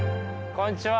こんにちは！